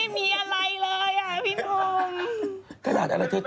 มีอะไรเลย